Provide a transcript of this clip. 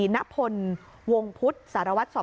นพลวงพุทธสารวัฒนศพ